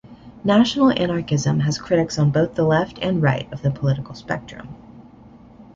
National-anarchism has critics on both the left and right of the political spectrum.